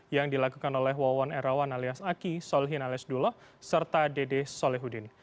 yang dilakukan oleh wawan erawan alias aki solhin alias dullah serta dede solehudini